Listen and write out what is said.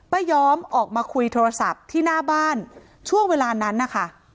ยอมออกมาคุยโทรศัพท์ที่หน้าบ้านช่วงเวลานั้นนะคะ